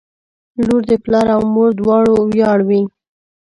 • لور د پلار او مور دواړو ویاړ وي.